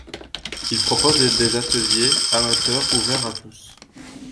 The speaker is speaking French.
Ils proposent des ateliers amateurs ouverts à tous.